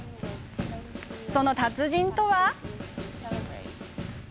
その達人とは。